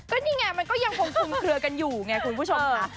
ก็นี่ไงมันก็ยังคงคุมเคลือกันอยู่ไงคุณผู้ชมค่ะ